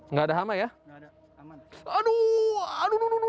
nggak ada hama ya